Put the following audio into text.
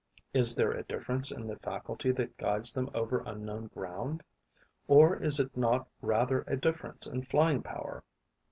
Is there a difference in the faculty that guides them over unknown ground? Or is it not rather a difference in flying power?